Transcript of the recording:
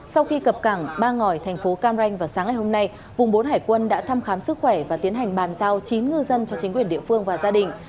sau khi cập cảng ba ngòi thành phố cam ranh vào sáng ngày hôm nay vùng bốn hải quân đã thăm khám sức khỏe và tiến hành bàn giao chín ngư dân cho chính quyền địa phương và gia đình